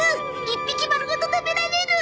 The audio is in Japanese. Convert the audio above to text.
一匹丸ごと食べられる！